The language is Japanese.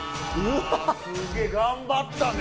すげえ！頑張ったね。